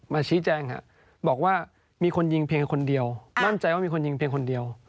ชี้แจงครับบอกว่ามีคนยิงเพียงคนเดียวมั่นใจว่ามีคนยิงเพียงคนเดียว